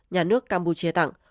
nhà nước campuchia tặng